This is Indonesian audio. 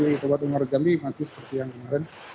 kondisi di kabupaten muarau jambi masih seperti yang kemarin